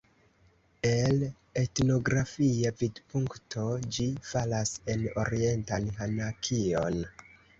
El etnografia vidpunkto ĝi falas en orientan Hanakion.